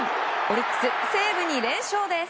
オリックス、西武に連勝です。